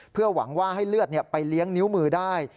เพื่อหวังว่าให้เลือดไปเลี้ยงนิ้วมือได้